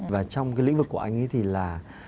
và trong cái lĩnh vực của anh ấy thì là